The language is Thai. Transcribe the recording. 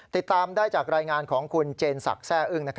ติดตามได้จากรายงานของคุณเจนศักดิ์แซ่อึ้ง